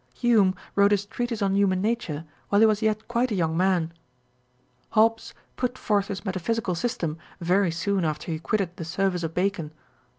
Hume wrote his Treatise on Human Nature while he was yet quite a young man. Hobbcs put forth his metaphysical system very soon after he quitted the service of Bacon.